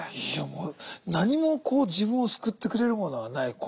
いやもう何も自分を救ってくれるものはない。